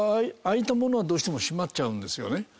あいたものはどうしても締まっちゃうんですよね。